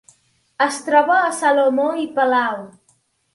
Es troba a Salomó i Palau.